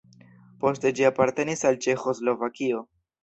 Poste ĝi apartenis al Ĉeĥoslovakio.